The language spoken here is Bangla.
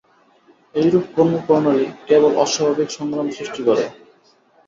এইরূপ কর্মপ্রণালী কেবল অস্বাভাবিক সংগ্রাম সৃষ্টি করে।